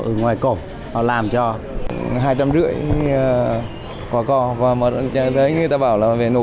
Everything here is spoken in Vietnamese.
ở ngoài cổng họ làm cho